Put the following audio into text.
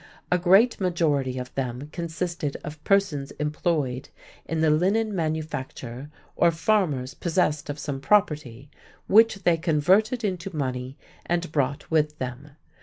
A great majority of them consisted of persons employed in the linen manufacture or farmers possessed of some property, which they converted into money and brought with them.